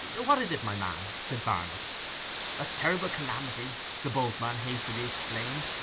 'What is it, my man?' said Barnet. 'A terrible calamity!' the boatman hastily explained.